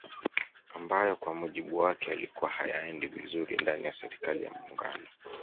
Ambayo kwa mujibu wake yalikuwa hayaendi vizuri ndani ya serikali ya Muungano